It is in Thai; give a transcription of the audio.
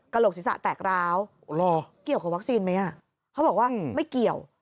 โหลกศีรษะแตกร้าวเกี่ยวกับวัคซีนไหมเขาบอกว่าไม่เกี่ยว